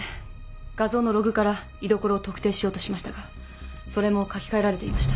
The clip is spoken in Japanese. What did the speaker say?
画像のログから居所を特定しようとしましたがそれも書き換えられていました。